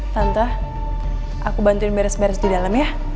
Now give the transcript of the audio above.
tante aku bantuin beres beres di dalam ya